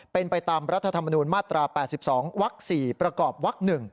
เป็นไปตามรัฐธรรมนูญมาตรา๘๒วัก๔ประกอบวัก๑